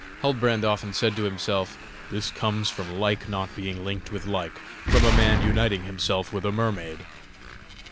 Huldbrand often said to himself: "This comes from like not being linked with like, from a man uniting himself with a mermaid!"